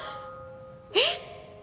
えっ！？